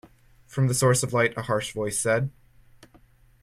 From the source of light a harsh voice said.